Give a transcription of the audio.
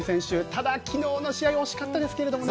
ただ、昨日の試合は惜しかったですね。